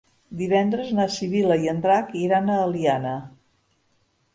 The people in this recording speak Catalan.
Divendres na Sibil·la i en Drac iran a l'Eliana.